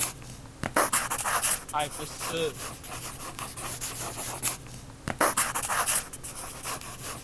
欸不是